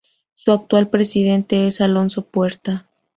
Su actual presidente es Alonso Puerta.